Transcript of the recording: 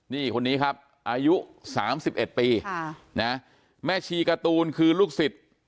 นี่คนนี้ครับอายุ๓๑ปีแม่ชีการ์ตูนคือลูกศิษย์